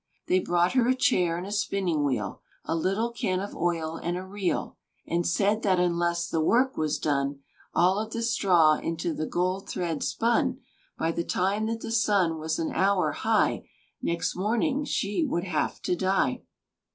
They brought her a chair and a spinning wheel, A little can of oil, and a reel; And said that unless the work was done All of the straw into the gold thread spun By the time that the sun was an hour high Next morning, she would have to die.